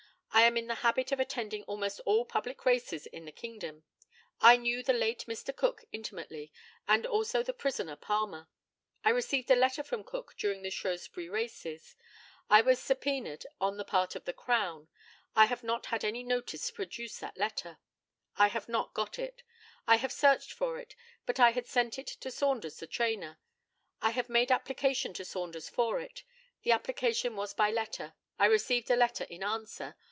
I am in the habit of attending almost all public races in the kingdom. I knew the late Mr. Cook intimately, and also the prisoner Palmer. I received a letter from Cook during the Shrewsbury races. I was subpœned on the part of the Crown. I have not had any notice to produce that letter. I have not got it. I have searched for it, but I had sent it to Saunders the trainer. I have made application to Saunders for it. The application was by letter. I received a letter in answer.